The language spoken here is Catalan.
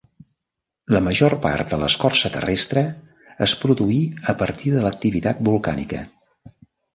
La major part de l'escorça terrestre es produí a partir de l'activitat volcànica.